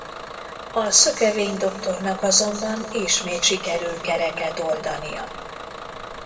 A szökevény doktornak azonban ismét sikerül kereket oldania.